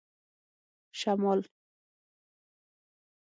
شمال